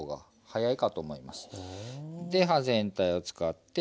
はい。